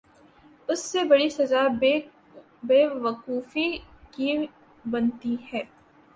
اس سے بڑی سزا بے وقوفی کی بنتی ہے۔